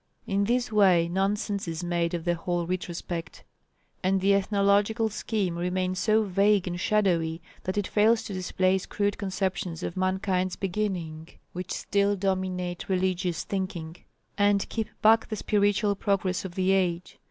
In this way nonsense is made of the whole retrospect; and the ethnological scheme remains so vague and shadowy that it fails to displace crude conceptions of mankind's beginning which still dominate religious thinking, and keep back the spiritual progress of the age.